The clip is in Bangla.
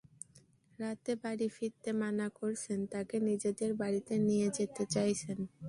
রাতে বাড়ি ফিরতে মানা করছেন, তাঁকে নিজেদের বাড়িতে নিয়ে যেতে চাইছেন।